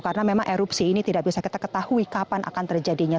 karena memang erupsi ini tidak bisa kita ketahui kapan akan terjadinya